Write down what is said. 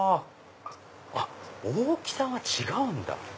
大きさが違うんだ。